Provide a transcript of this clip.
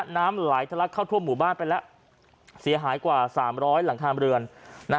น้ำไหลทะลักเข้าทั่วหมู่บ้านไปแล้วเสียหายกว่า๓๐๐หลังคาเรือน